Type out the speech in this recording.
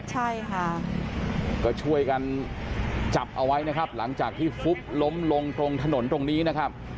ใช่ค่ะก็ช่วยกันจับเอาไว้นะครับหลังจากที่ฟุบล้มลงตรงถนนตรงนี้นะครับ